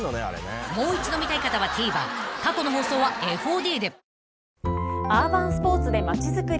［もう一度見たい方はＴＶｅｒ過去の放送はＦＯＤで］